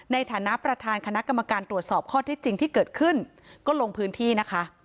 ในฐานะประธานคณะกรรมการตรวจสอบข้อที่จริงที่เกิดขึ้นก็ลงพื้นที่นะคะ